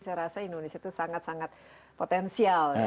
saya rasa indonesia itu sangat sangat potensial ya